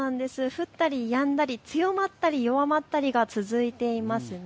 降ったり、やんだり、強まったり、弱まったりが続いています。